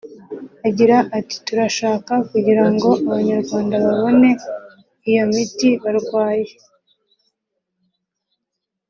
Agira ati “Turashaka kugira ngo Abanyarwanda babone iyo miti barwaye